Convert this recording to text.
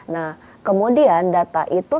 nah kemudian data itu